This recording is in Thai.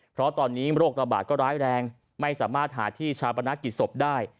เพราะตอนนี้โรคระบาดก็ร้ายแรงไม่สามารถหาที่ชาปนกิจศพได้